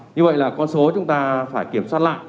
như vậy là con số chúng ta phải kiểm soát lại